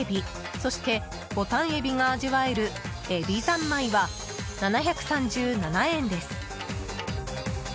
そしてボタンエビが味わえる海老三昧は、７３７円です。